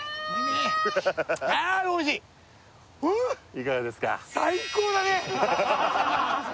いかがですか？